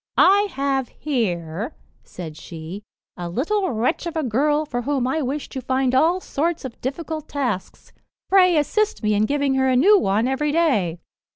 "I have here," said she, "a little wretch of a girl for whom I wish to find all sorts of difficult tasks; pray assist me in giving her a new one every day."